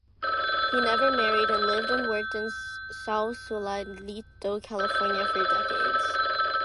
He never married, and lived and worked in Sausalito, California for decades.